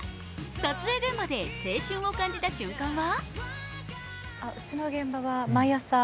撮影現場で青春を感じた瞬間は？